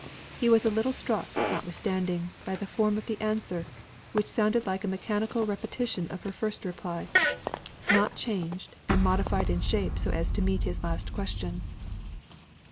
He was a little struck, notwithstanding, by the form of the answer, which sounded like a mechanical repetition of her first reply not changed and modified in shape so as to meet his last question.